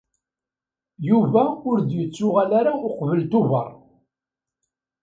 Yuba ur d-yettuɣal ara uqbel Tubeṛ.